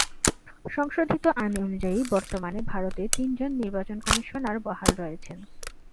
সংশোধিত আইন অনুযায়ী, বর্তমানে ভারতে তিন জন নির্বাচন কমিশনার বহাল রয়েছেন।